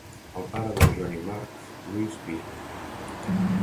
El pare de Johnny Marks, Louis B.